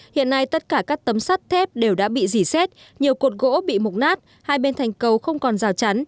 hiện nay tất cả các tấm sắt thép đều đã bị dì xét nhiều cột gỗ bị mục nát hai bên thành cầu không còn rào chắn